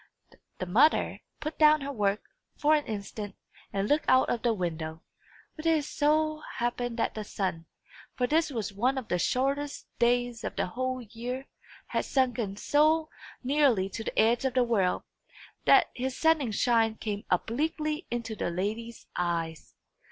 The mother put down her work, for an instant, and looked out of the window. But it so happened that the sun for this was one of the shortest days of the whole year had sunken so nearly to the edge of the world, that his setting shine came obliquely into the lady's eyes.